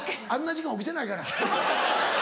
あんな時間起きてないから。